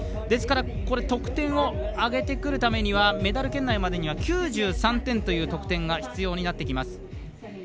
ですからこれ、得点をあげてくるためにはメダル圏内までには９３点という得点が必要になってきます。